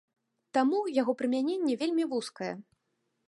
Таму яго прымяненне вельмі вузкае.